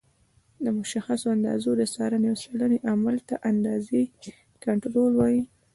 د مشخصو اندازو د څارنې او څېړنې عمل ته د اندازې کنټرول وایي.